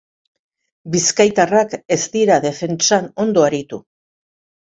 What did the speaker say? Bizkaitarrak ez dira defentsan ondo aritu.